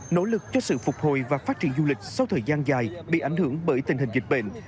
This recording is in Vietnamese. nỗ lực cho sự phục hồi và phát triển du lịch sau thời gian dài bị ảnh hưởng bởi tình hình dịch bệnh